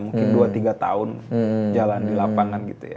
mungkin dua tiga tahun jalan di lapangan gitu ya